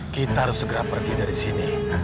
kita harus segera pergi dari sini